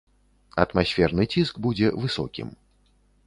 Атмасферны ціск будзе высокім.